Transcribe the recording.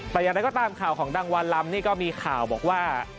แต่อย่างไรก็ตามข่าวของดังวันลำนี่ก็มีข่าวบอกว่า